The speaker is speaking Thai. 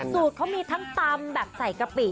สูตรเขามีทั้งตำแบบใส่กะปิ